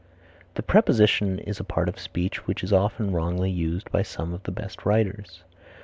The preposition is a part of speech which is often wrongly used by some of the best writers.